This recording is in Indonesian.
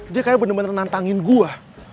dia kayak bener bener nantangin gue